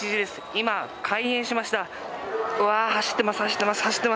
今、開園しました。